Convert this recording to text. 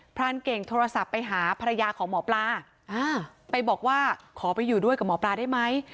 รานเก่งโทรศัพท์ไปหาภรรยาของหมอปลาไปบอกว่าขอไปอยู่ด้วยกับหมอปลาได้ไหม